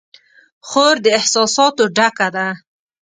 خور د احساساتو ډکه ده.